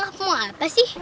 mau apa sih